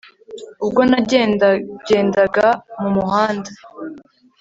ubwo nagendagendaga mu muhanda